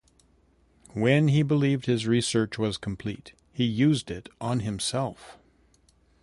When he believed his research was complete, he used it on himself.